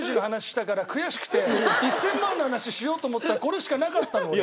１０００万の話しようと思ったらこれしかなかったの俺。